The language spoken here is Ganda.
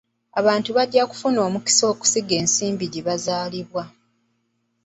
Abantu bajja kufuna omukisa okusiga ensimbi gye bazaalibwa.